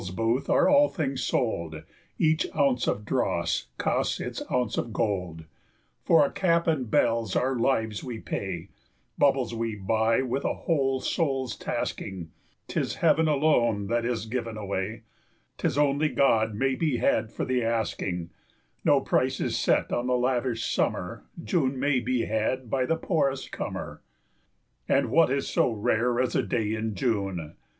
] At the Devil's booth are all things sold, 25 Each ounce of dross costs its ounce of gold; For a cap and bells our lives we pay, Bubbles we buy with a whole soul's tasking: 'T is heaven alone that is given away, 'T is only God may be had for the asking; 30 No price is set on the lavish summer; June may be had by the poorest comer. And what is so rare as a day in June?